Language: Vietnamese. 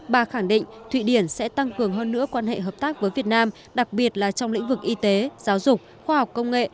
bà khẳng định thụy điển sẽ tăng cường hơn nữa quan hệ hợp tác với việt nam đặc biệt là trong lĩnh vực y tế giáo dục khoa học công nghệ